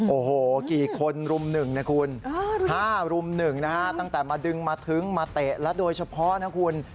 โอ้โหกี่คนรุม๑นะคุณ๕รุม๑นะฮะตั้งแต่มาดึงมาถึงมาเตะแล้วโดยเฉพาะนะคุณ